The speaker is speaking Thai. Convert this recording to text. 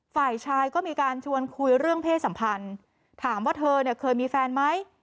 ฝ่ายชายก็มีการชวนคุยเรื่องเพศสัมพันธ์ถามว่าเธอเนี่ยเคยมีแฟนไหม